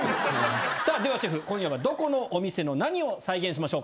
さぁではシェフ今夜はどこのお店の何を再現しましょうか？